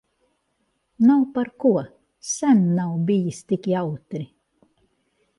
Nav par ko. Sen nav bijis tik jautri.